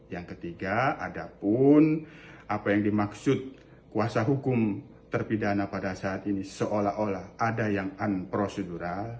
yang ketiga ada pun apa yang dimaksud kuasa hukum terpidana pada saat ini seolah olah ada yang unprocedural